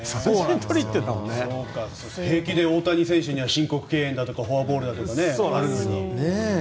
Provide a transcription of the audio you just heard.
平気で大谷選手には申告敬遠だとかフォアボールだとかがあるのに。